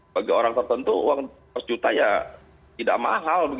bagi orang tertentu uang seratus juta ya tidak mahal